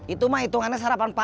itu mah hitungannya sarapan pak